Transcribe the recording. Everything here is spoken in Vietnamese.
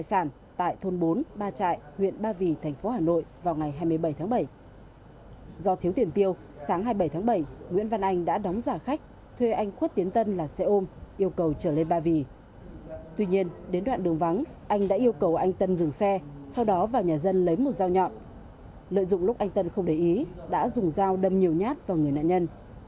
sau đó vào nhà dân lấy một dao nhọn lợi dụng lúc anh tân không để ý đã dùng dao đâm nhiều nhát vào người nạn nhân